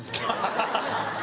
ハハハッ。